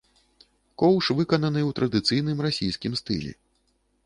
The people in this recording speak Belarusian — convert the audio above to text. Коўш выкананы ў традыцыйным расійскім стылі.